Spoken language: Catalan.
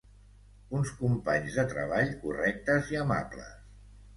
Uns companys de treball correctes i amables.